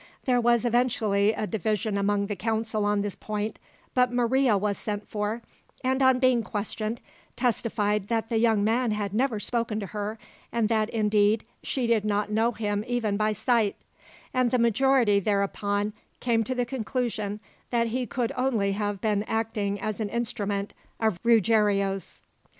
There was eventually a division among the council on this point, but Maria was sent for, and on being questioned, testified that the young man had never spoken to her, and that, indeed, she did not know him even by sight; and the majority thereupon came to the conclusion that he could only have been acting as an instrument of Ruggiero's.